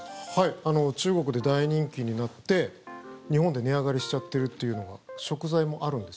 中国で大人気になって日本で値上がりしちゃってるっていうのが食材？